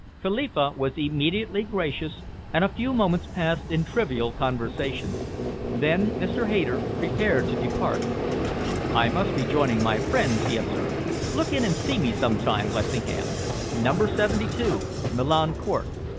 Philippa was immediately gracious, and a few moments passed in trivial conversation. Then Mr. Hayter prepared to depart. "I must be joining my friends," he observed. "Look in and see me sometime, Lessingham Number 72, Milan Court.